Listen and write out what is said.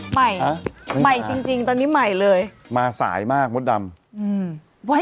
ใหม่ใหม่จริงจริงตอนนี้ใหม่เลยมาสายมากมดดำอืม